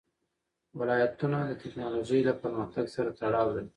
ولایتونه د تکنالوژۍ له پرمختګ سره تړاو لري.